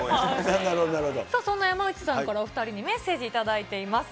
そんな山内さんに、お２人にメッセージ頂いています。